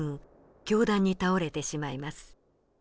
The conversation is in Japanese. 凶弾に倒れてしまいます。